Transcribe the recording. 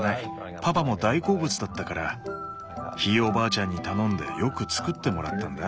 パパも大好物だったからひいおばあちゃんに頼んでよく作ってもらったんだ。